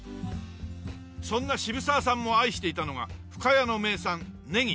そんな渋沢さんも愛していたのが深谷の名産ネギ。